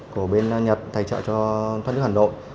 của bên nhật thay trợ cho thoát nước hà nội